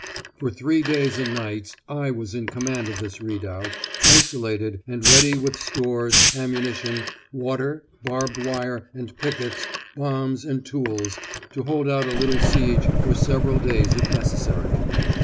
For three days and nights I was in command of this redoubt, isolated, and ready with stores, ammunition, water, barbed wire and pickets, bombs, and tools, to hold out a little siege for several days if necessary.